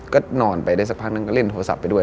ก็นอนไปได้สักพักนึงก็เล่นโทรศัพท์ไปด้วย